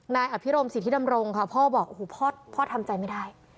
นายอภิรมสิทธิดำรงค่ะพ่อบอกโอ้โหพ่อทำใจไม่ได้